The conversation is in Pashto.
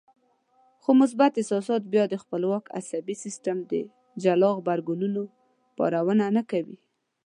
خو مثبت احساسات بيا د خپلواک عصبي سيستم د جلا غبرګونونو پارونه نه کوي.